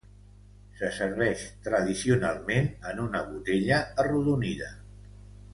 Se serveix tradicionalment en una botella arrodonida.